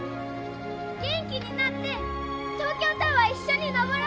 元気になって東京タワー一緒にのぼろ！